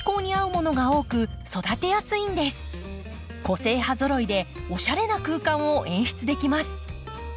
個性派ぞろいでおしゃれな空間を演出できます。